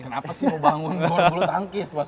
kenapa sih mau bangun gor dulu tangkis